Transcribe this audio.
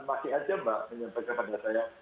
masih aja mbak menyampaikan pada saya